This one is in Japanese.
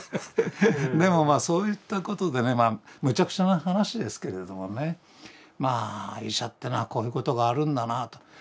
でもそういったことでねまあむちゃくちゃな話ですけれどもねまあ医者っていうのはこういうことがあるんだなあと。